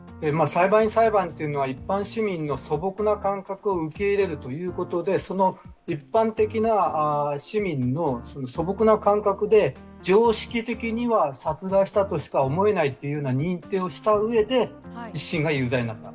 裁判員裁判というのは一般市民の素朴な感覚を受け入れるということでその一般的な市民の素朴な感覚で、常識的には殺害したとしか思えないという認定をしたうえで１審は有罪になった。